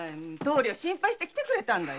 親方心配して来てくれたんだよ。